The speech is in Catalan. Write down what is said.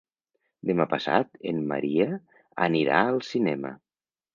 Demà passat en Maria anirà al cinema.